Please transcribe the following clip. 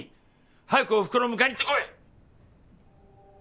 早くおふくろ迎えにいってこい！